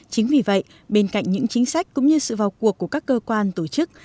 chính vì vậy bên cạnh những chính sách cũng như sự vào cuộc của các cơ quan tổ chức